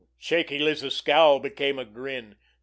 Shaky Liz's scowl became a grin.